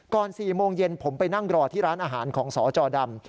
๔โมงเย็นผมไปนั่งรอที่ร้านอาหารของสจดำ